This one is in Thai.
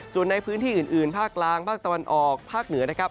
ส่วนในพื้นที่อื่นภาคกลางภาคตะวันออกภาคเหนือนะครับ